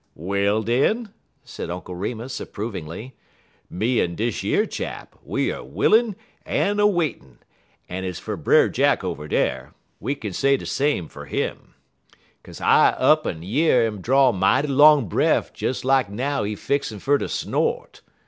"Well, den," said Uncle Remus, approvingly, "me en dish yer chap, we er willin' en a waitin', en ez fer Brer Jack over dar, we kin say de same fer him, 'kaze I up en year 'im draw mighty long breff des now lak he fixin' fer ter snort.